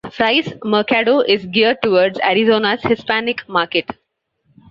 Fry's Mercado is geared towards Arizona's Hispanic market.